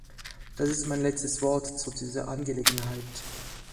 Das ist mein letztes Wort zu dieser Angelegenheit.